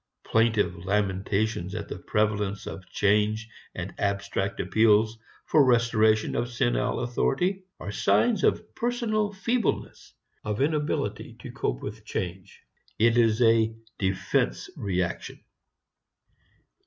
Plaintive lamentations at the prevalence of change and abstract appeals for restoration of senile authority are signs of personal feebleness, of inability to cope with change. It is a "defense reaction."